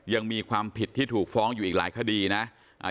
ยังมีความผิดที่ถูกฟ้องอยู่อีกหลายคดีนะอ่า